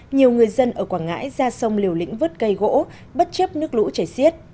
nhiều người dân ở quảng ngãi ra sông liều lĩnh vứt cây gỗ bất chấp nước lũ chảy xiết